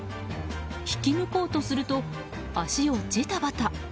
引き抜こうとすると脚をジタバタ。